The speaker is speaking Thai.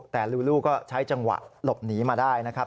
แต่ลูลูก็ใช้จังหวะหลบหนีมาได้นะครับ